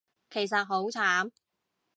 其實好慘